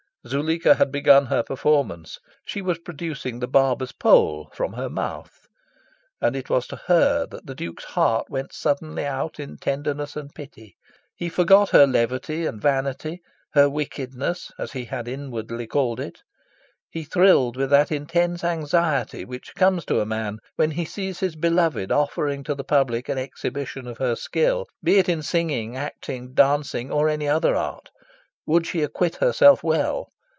Zuleika had begun her performance. She was producing the Barber's Pole from her mouth. And it was to her that the Duke's heart went suddenly out in tenderness and pity. He forgot her levity and vanity her wickedness, as he had inwardly called it. He thrilled with that intense anxiety which comes to a man when he sees his beloved offering to the public an exhibition of her skill, be it in singing, acting, dancing, or any other art. Would she acquit herself well?